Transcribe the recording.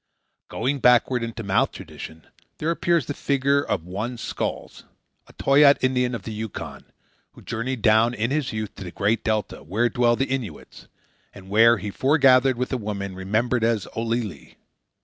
Going backward into mouth tradition, there appears the figure of one Skolkz, a Toyaat Indian of the Yukon, who journeyed down in his youth to the Great Delta where dwell the Innuits, and where he foregathered with a woman remembered as Olillie.